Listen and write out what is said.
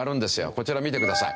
こちら見てください。